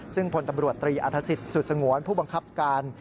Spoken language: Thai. ซึ่งพลตำรวจตรีอัฐศิษย์สุดสงวนผู้บังคับการ